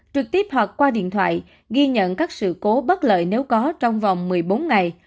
trực tiếp hoặc qua điện thoại ghi nhận các sự cố bất lợi nếu có trong vòng một mươi bốn ngày